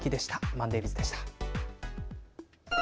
ＭｏｎｄａｙＢｉｚでした。